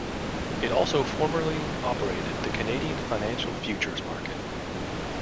It also formerly operated the Canadian Financial Futures Market.